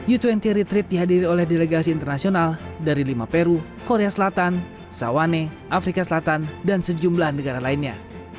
u dua puluh retreat dihadiri oleh delegasi internasional dari lima peru korea selatan sawane afrika selatan dan sejumlah negara lainnya